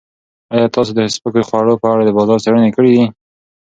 ایا تاسو د سپکو خوړو په اړه د بازار څېړنې کړې دي؟